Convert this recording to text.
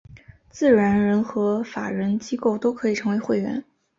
自然人和法人机构都可以成为会员。